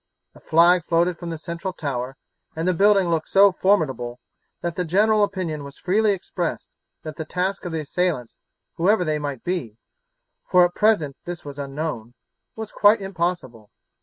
A flag floated from the central tower, and the building looked so formidable that the general opinion was freely expressed that the task of the assailants, whoever they might be for at present this was unknown was quite impossible.